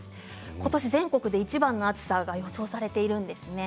今年、全国でいちばんの暑さが予想されているんです。